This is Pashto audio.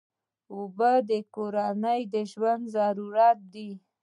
اوبه د کورنۍ ژوند ضرورت دی.